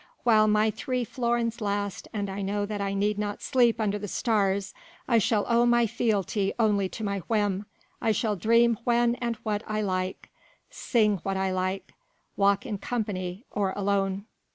while my three florins last and I know that I need not sleep under the stars, I shall owe my fealty only to my whim I shall dream when and what I like, sing what I like, walk in company or alone.